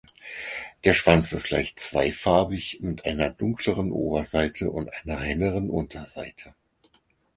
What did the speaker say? Der Schwanz ist leicht zweifarbig mit einer dunkleren Oberseite und einer helleren Unterseite.